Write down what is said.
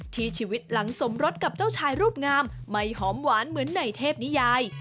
ชีวิตหลังสมรสกับเจ้าชายรูปงามไม่หอมหวานเหมือนในเทพนิยาย